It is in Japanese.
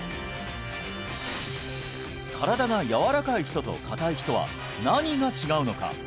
身体が柔らかい人と硬い人は何が違うのか？